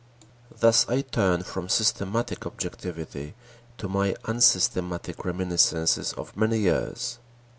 Thus I turn from systematic objectivity to my unsystematic reminiscences of many years.